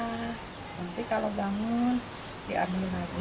nanti kalau bangun diambil lagi bisa penyakit